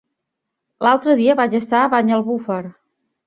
L'altre dia vaig estar a Banyalbufar.